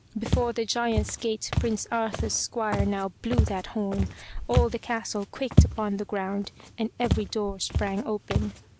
Before the Giant's gate Prince Arthur's squire now blew that horn. All the castle quaked upon the ground and every door sprang open.